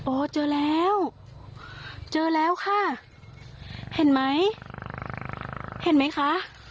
เจอแล้วเจอแล้วค่ะเห็นไหมเห็นไหมคะ